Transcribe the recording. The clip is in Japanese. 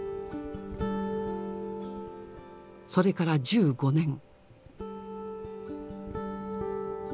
それから１５年。